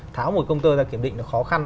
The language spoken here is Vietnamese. tháo một công tơ ra kiểm định nó khó khăn